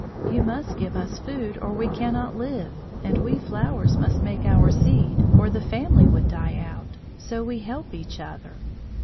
You must give us food or we cannot live, and we flowers must make our seed or the family would die out, so we help each other.